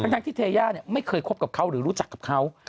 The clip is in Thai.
ทั้งที่เทย่าไม่เคยคบกับเขาหรือรู้จักกับเขา